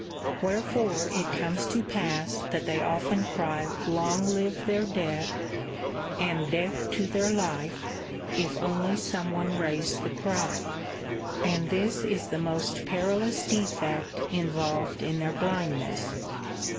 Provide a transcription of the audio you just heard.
Where fore it comes to pass that they often cry long live their death and death to their life, if only some one raise the cry. And this is the most perilous defect involved in their blindness.